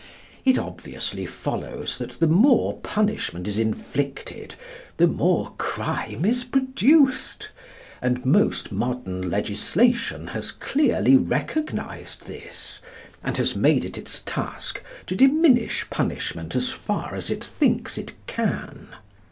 It obviously follows that the more punishment is inflicted the more crime is produced, and most modern legislation has clearly recognised this, and has made it its task to diminish punishment as far as it thinks it can.